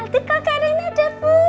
tuh kakak reyna udah pulang dede